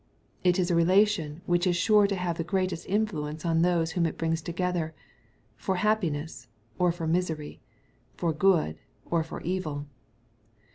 It is a relation which is sure to have the greatest influence on those whom it brings together, for happiness, or for misery, for good, or for evil.